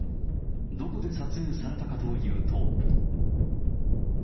どこで撮影されたかというと。